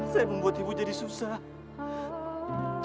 saya membuat ibu jadi susah